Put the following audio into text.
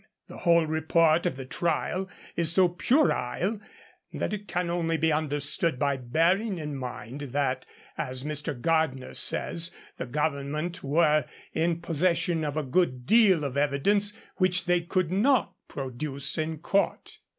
The whole report of the trial is so puerile, that it can only be understood by bearing in mind that, as Mr. Gardiner says, the Government were in possession of a good deal of evidence which they could not produce in court.